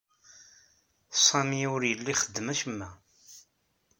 Sami ur yelli ixeddem acemma.